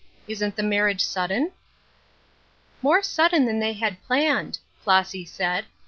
Isn't the marriage sudden ?"" More sudden than they had planned," Floss} said.